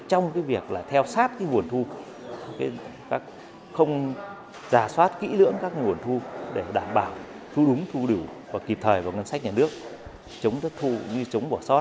trong việc theo sát huồn thu không giả soát kỹ lưỡng